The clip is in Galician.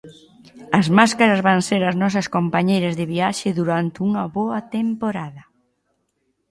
As máscaras van ser as nosas compañeiras de viaxe durante unha boa temporada.